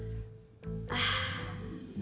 baru gue dapetin warisannya